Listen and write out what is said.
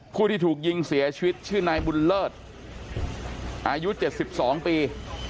ผู้ที่ถูกยิงเสียชีวิตชื่อนายบุญเลิศอายุ๗๒ปี